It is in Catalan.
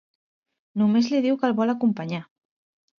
Només li diu que el vol acompanyar.